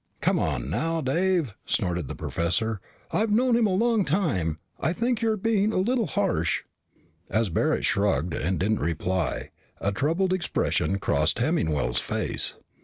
"Come now, Dave," snorted the professor. "I've known him a long time. I think you're being a little harsh." As Barret shrugged and didn't reply, a troubled expression crossed Hemmingwell's face.